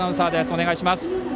お願いします。